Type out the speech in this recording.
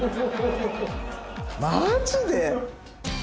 マジで！？